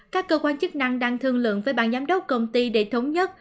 các cơ quan chức năng đang thương lượng với ban giám đốc công ty để thống nhất